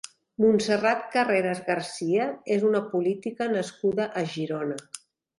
Montserrat Carreras García és una política nascuda a Girona.